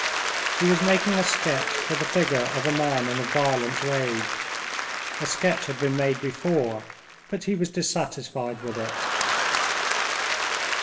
He was making a sketch for the figure of a man in a violent rage. A sketch had been made before, but he was dissatisfied with it.